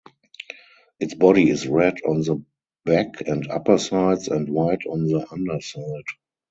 Its body is red on the back and uppersides and white on the underside.